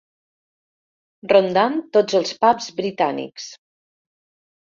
Rondant tots els pubs britànics.